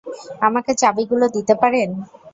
আমাকে চাবিগুলো দিতে পারেন?